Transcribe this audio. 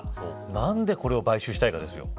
なんでこれを買収したいかですよ。